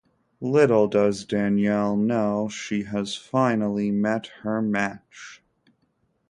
Little does Danielle know, she has finally met her match!